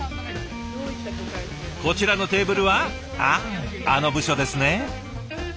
こちらのテーブルはああの部署ですね。